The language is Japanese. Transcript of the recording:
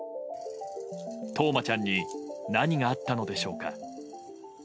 冬生ちゃんに何があったのでしょうか。